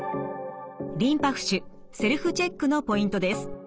リンパ浮腫セルフチェックのポイントです。